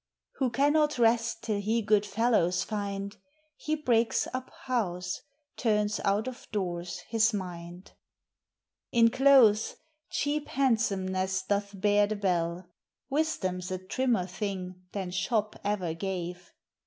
Who cannot rest till he good fellows finde, He breaks up house, turns out of doores his minde. In clothes, cheap handsomenesse doth bear the bell. Wisdome's a trimmer thing than shop e'er gave.